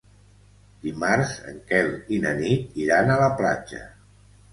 Dimarts en Quel i na Nit iran a la platja.